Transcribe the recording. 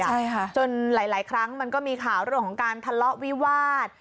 ใช่ค่ะจนหลายครั้งมันก็มีข่าวเรื่องของการทะเลาะวิวาส